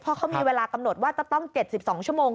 เพราะเขามีเวลากำหนดว่าจะต้อง๗๒ชั่วโมง